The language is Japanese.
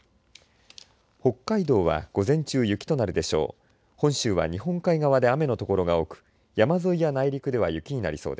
北海道は午前中雪となるでしょう。